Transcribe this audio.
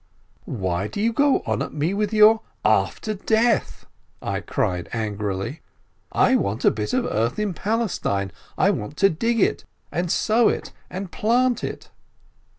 "Why do you go on at me with your 'after death,' " I cried angrily. "I want a bit of earth in Palestine, I want to dig it, and sow it, and plant it